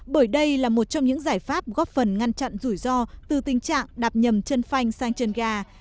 bởi đây là một trong những giải pháp góp phần ngăn chặn rủi ro từ tình trạng đạp nhầm chân phanh sang chân gà